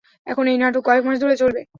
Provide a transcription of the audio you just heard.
এখন এই নাটক কয়েক মাস ধরে চলবে।